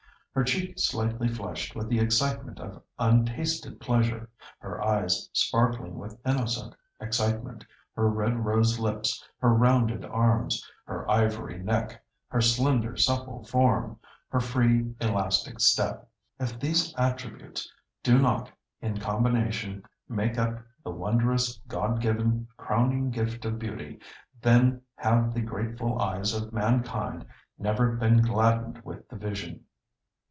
Her cheek slightly flushed with the excitement of untasted pleasure, her eyes sparkling with innocent excitement; her red rose lips; her rounded arms; her ivory neck; her slender, supple form; her free, elastic step—if these attributes do not, in combination, make up the wondrous, God given, crowning gift of beauty, then have the grateful eyes of mankind never been gladdened with the vision.